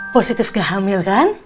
positif kehamil kan